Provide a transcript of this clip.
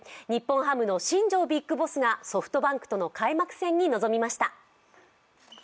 日本ハムの新庄ＢＩＧＢＯＳＳがソフトバンクとの開幕戦に臨みました。